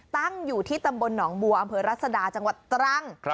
ตั้งอยู่ที่ตำบลหนองบัวอำเภอรัศดาจังหวัดตรัง